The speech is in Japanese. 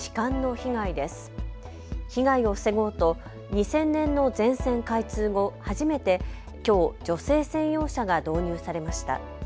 被害を防ごうと２０００年の全線開通後、初めてきょう女性専用車が導入されました。